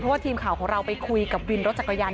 ว่าทีมข่าวของเราไปคุยกับวินรถจักรยาน